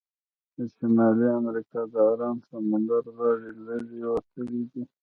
د شمالي امریکا د ارام سمندر غاړې لږې وتلې دي.